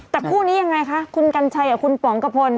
แต่คู่นี้ยังไงคะคุณกัญชัยกับคุณป๋องกระพล